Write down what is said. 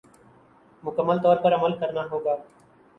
مکمل طور پر عمل کرنا ہوگا